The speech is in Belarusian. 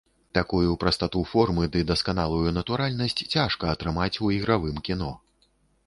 Такую прастату формы ды дасканалую натуральнасць цяжка атрымаць у ігравым кіно.